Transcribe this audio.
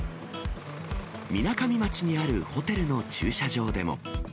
みなかみ町にあるホテルの駐車場でも。